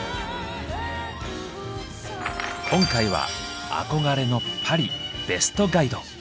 今回は憧れのパリベストガイド。